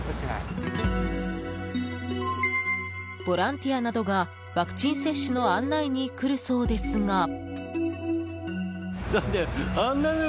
ボランティアなどがワクチン接種の案内に来るそうですが。